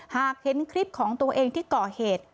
หากเห็นคลิปของตัวเองที่ก่อเหตุ